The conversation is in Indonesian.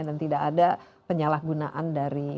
dan tidak ada penyalahgunaan dari